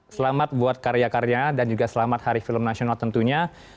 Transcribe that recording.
selamat buat karya karya dan juga selamat hari film nasional tentunya